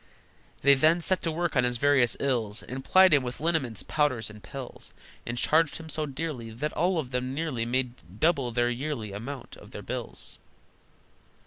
They then set to work on his various ills, And plied him with liniments, powders, and pills, And charged him so dearly That all of them nearly Made double the yearly amount of their bills.